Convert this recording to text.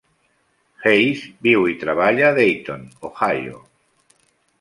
Hayes viu i treballa a Dayton, Ohio.